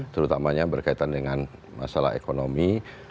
terutamanya berkaitan dengan masalah ekonomi